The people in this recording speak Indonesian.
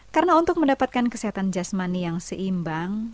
karena untuk mendapatkan kesehatan jasmani yang seimbang